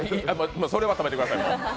それは食べてください。